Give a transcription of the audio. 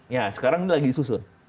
ya sekarang ini lagi disusun